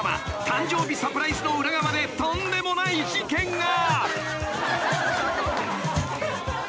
［誕生日サプライズの裏側でとんでもない事件が］